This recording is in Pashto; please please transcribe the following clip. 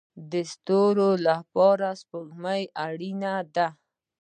د ستورو لپاره سپوږمۍ اړین ده